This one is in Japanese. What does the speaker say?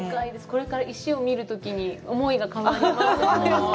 これから石を見るときに思いが変わります。